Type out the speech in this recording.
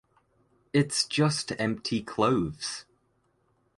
It's just empty clothes.